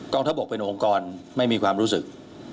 งทัพบกเป็นองค์กรไม่มีความรู้สึก